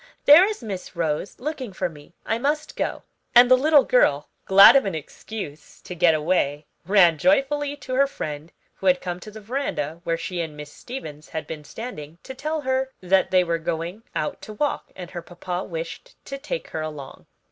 there is Miss Rose looking for me, I must go," and the little girl, glad of an excuse to get away, ran joyfully to her friend who had come to the veranda, where she and Miss Stevens had been standing, to tell her that they were going out to walk, and her papa wished to take her along.